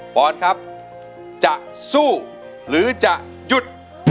ปอนครับจะสู้หรือจะหยุด